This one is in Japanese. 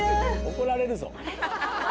怒られるぞ。